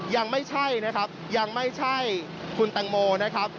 ยังไม่ใช่นะครับยังไม่ใช่คุณแตงโมนะครับ